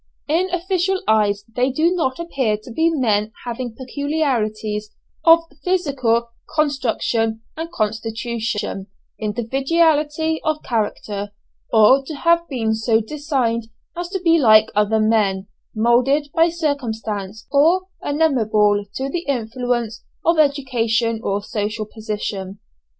In official eyes they do not appear to be men having peculiarities of physical construction and constitution, individuality of character, or to have been so designed as to be like other men, moulded by circumstances, or amenable to the influence of education or social position.